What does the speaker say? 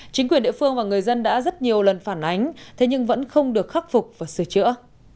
chính quyền địa phương và người dân đã rất nhiều lần phản ánh thế nhưng vẫn không được khắc phục và sửa chữa